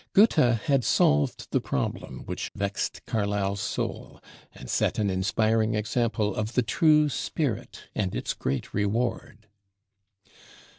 Goethe had solved the problem which vexed Carlyle's soul, and set an inspiring example of the true spirit and its great reward.